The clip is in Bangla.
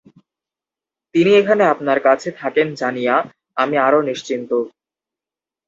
তিনি এখানে আপনার কাছে থাকেন জানিয়া আমি আরো নিশ্চিন্ত।